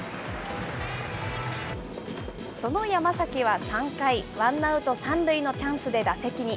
その山崎は３回、ワンアウト３塁のチャンスで打席に。